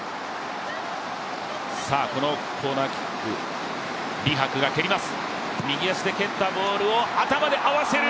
このコーナーキックリ・ハクが蹴ります。